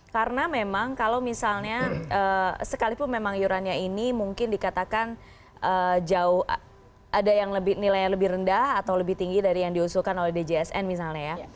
karena memang kalau misalnya sekalipun memang iurannya ini mungkin dikatakan jauh ada yang nilainya lebih rendah atau lebih tinggi dari yang diusulkan oleh djsn misalnya ya